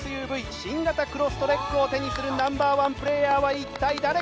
新型クロストレックを手にするナンバーワンプレーヤーは一体誰か？